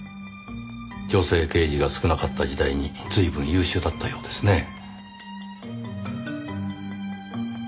女性刑事が少なかった時代に随分優秀だったようですねぇ。